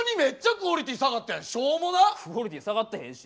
クオリティー下がってへんし。